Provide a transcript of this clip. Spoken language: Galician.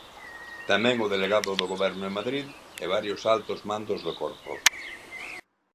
Tamén o delegado do Goberno en Madrid e varios altos mandos do corpo.